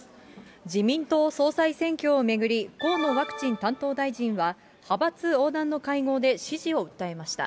自民党総裁選挙を巡り、河野ワクチン担当大臣は、派閥横断の会合で支持を訴えました。